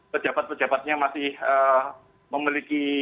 pejabat pejabatnya masih memiliki